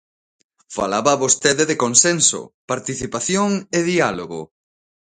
Falaba vostede de consenso, participación e diálogo.